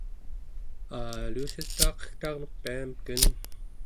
alussistuaqegtaarmek piamken